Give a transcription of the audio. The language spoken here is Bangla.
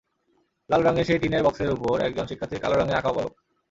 লাল রঙের সেই টিনের বক্সের ওপর একজন শিক্ষার্থীর কালো রঙে আঁকা অবয়ব।